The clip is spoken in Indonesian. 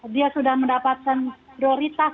dia sudah mendapatkan prioritas